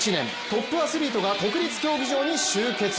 トップアスリートが国立競技場に集結。